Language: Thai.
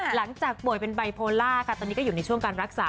หลังจากป่วยเป็นไบโพล่าค่ะตอนนี้ก็อยู่ในช่วงการรักษา